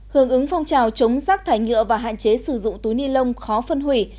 hướng ứng phong trào chống rác thải nhựa và hạn chế sử dụng túi ni lông khó phân hủy